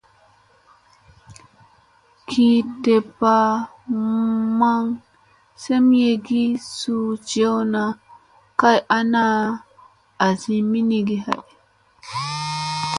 Gi deppa maŋ semyegii suu jewna kay ana asi minigi hay.